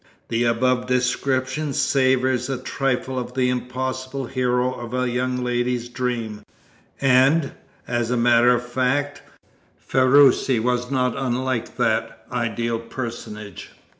The above description savours a trifle of the impossible hero of a young lady's dream; and, as a matter of fact, Ferruci was not unlike that ideal personage.